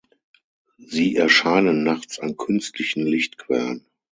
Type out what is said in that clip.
Sie erscheinen nachts an künstlichen Lichtquellen.